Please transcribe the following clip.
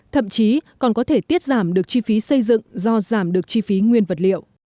thậm chí còn có thể tiết giảm được chi phí xây dựng do giảm được chi phí nguyên vật liệu